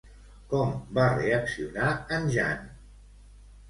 Com va reaccionar en Jan?